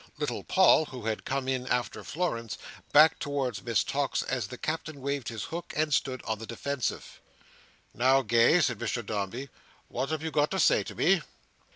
Little Paul, who had come in after Florence, backed towards Miss Tox as the Captain waved his hook, and stood on the defensive. "Now, Gay," said Mr Dombey. "What have you got to say to me?"